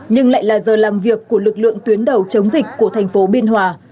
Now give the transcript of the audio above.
nhưng lại là giờ làm việc của lực lượng tuyến đầu chống dịch của thành phố biên hòa